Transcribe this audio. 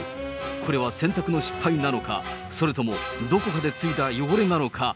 これは洗濯の失敗なのか、それともどこかでついた汚れなのか。